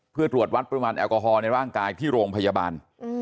เพื่อตรวจวัดปริมาณแอลกอฮอลในร่างกายที่โรงพยาบาล